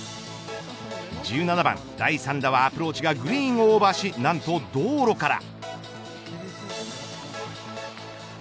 １７番第３打はアプローチがグリーンをオーバーしなんと道路から。